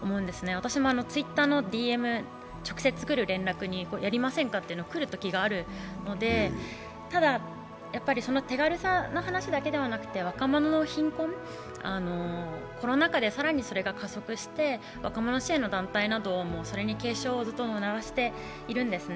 私もＴｗｉｔｔｅｒで連絡、やりませんかと連絡が来ることもあるのでただその手軽さの話だけではなくて若者の貧困、コロナ禍で更にそれが加速して、若者支援の団体なども警鐘をずっと鳴らしているんですね。